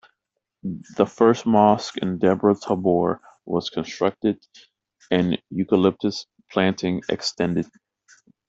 The first mosque in Debre Tabor was constructed and eucalyptus planting extended.